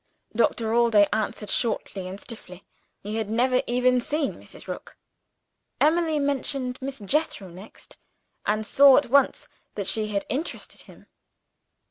Doctor Allday answered shortly and stiffly: he had never even seen Mrs. Rook. Emily mentioned Miss Jethro next and saw at once that she had interested him.